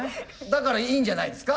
だからいいんじゃないですか？